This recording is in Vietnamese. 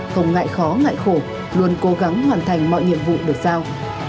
không ngại khó ngại khổ luôn cố gắng hoàn thành mọi nhiệm vụ được giao